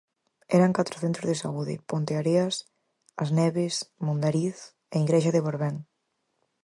Eran catro centros de saúde: Ponteareas, As Neves, Mondariz e Igrexa de Borbén.